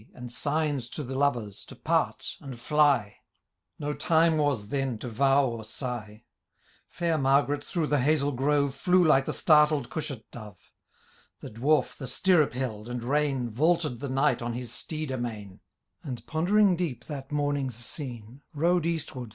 And signs to the lovers to part and fly ; No time was then to vow or sigh. Fair Margaret, through the hazel grove. Flew like the startled cushat dove :* The Dwarf the stirrup held and rein Vaulted the Knight on his steed amain, 1 See Appendix, Note 2 D.